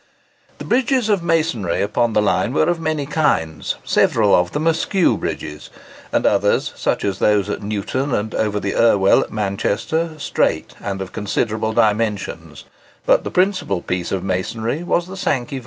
The bridges of masonry upon the line were of many kinds; several of them askew bridges, and others, such as those at Newton and over the Irwell at Manchester, straight and of considerable dimensions; but the principal piece of masonry was the Sankey viaduct.